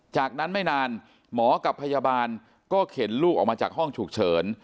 จากนั้นไม่นานหมอกับพยาบาลก็เข็นลูกออกมาจากห้องฉุกเฉิน